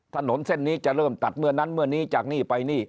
ถนนเส้นนี้จะเริ่มตัดเมื่อนั้นเมื่อนี้จากนี่ไปนี่